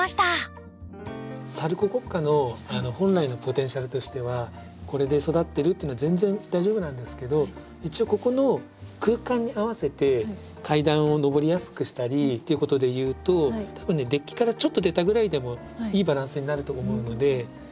サルココッカの本来のポテンシャルとしてはこれで育ってるっていうのは全然大丈夫なんですけど一応ここの空間に合わせて階段を上りやすくしたりということでいうと多分ねデッキからちょっと出たぐらいでもいいバランスになると思うので。